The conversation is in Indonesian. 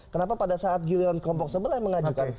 kenapa pada saat giliran kelompok sebelah yang mengajukan